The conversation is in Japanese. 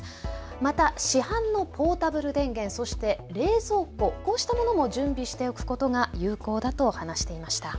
また市販のポータブル電源、そして冷蔵庫、こうしたものも準備しておくことが有効だと話していました。